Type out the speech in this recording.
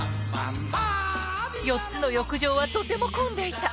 「４つの浴場はとても混んでいた」